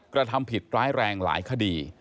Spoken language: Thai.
กระทำผิดร้ายแรงหลายคดี